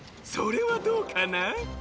それはどうかな？